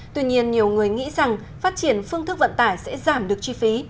tuy nhiên nhiều người nghĩ rằng phát triển phương thức vận tải sẽ giảm được chi phí